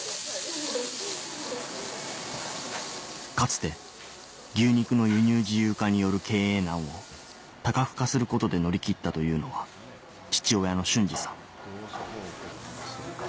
かつて牛肉の輸入自由化による経営難を多角化することで乗り切ったと言うのはそれを。